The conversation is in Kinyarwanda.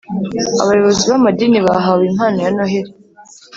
Abayobozi b amadini bahawe impano ya Noheli